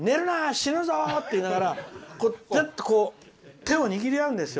死ぬぞ！って言うからギュッと手を握り合うんですよ